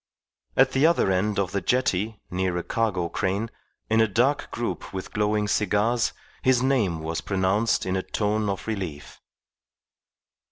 At the other end of the jetty, near a cargo crane, in a dark group with glowing cigars, his name was pronounced in a tone of relief.